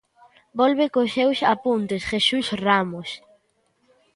Volve cos seus apuntes Jesús Ramos.